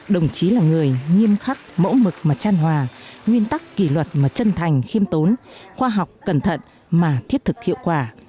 đồng chí là người nghiêm khắc mẫu mực mà tran hòa nguyên tắc kỷ luật mà chân thành khiêm tốn khoa học cẩn thận mà thiết thực hiệu quả